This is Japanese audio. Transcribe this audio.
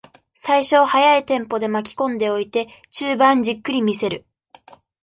最初、速いテンポで巻きこんでおいて、中盤じっくり見せる。